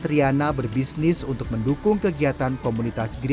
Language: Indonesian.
bersama triana berbisnis untuk mendukung kegiatan komunitas geriasi sovereign